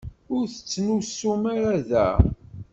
Ur ttnusun ara da.